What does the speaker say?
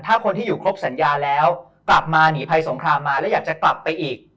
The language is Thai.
ถ้าคนที่อยู่ครบสัญญาแล้วกลับมาหนีภัยสงครามมาแล้วอยากจะกลับไปอีก